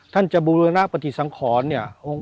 ท่านจะบูรณปฏิสังขรเนี่ย